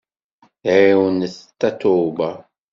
Ɛiwnet Tatoeba!